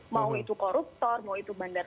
mau itu koruptor mau itu bandar